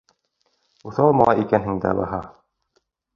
Уҫал малай икәнһең дә баһа.